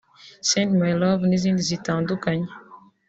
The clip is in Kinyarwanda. “Send My Love” n’izindi zitandukanye